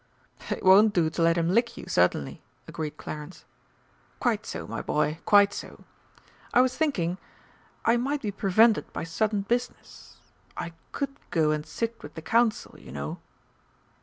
"It won't do to let him lick you, certainly," agreed Clarence. "Quite so, my boy, quite so. I was thinking I might be prevented by sudden business I could go and sit with the Council, you know."